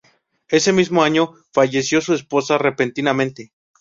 Ese mismo año falleció su esposa repentinamente.